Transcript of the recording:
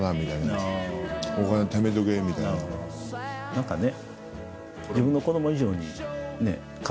何かね。